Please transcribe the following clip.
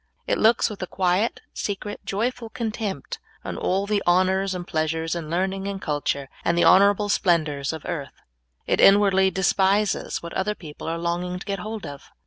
It looks with a quiet, secret, joyful contempt on all the honors and pleasures, and learning and culture, and the hon orable splendors of earth. It inwardly despises what other people are longing to get hold of.